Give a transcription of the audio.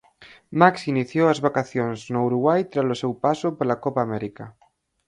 Maxi iniciou as vacacións no Uruguai tras o seu paso pola Copa América.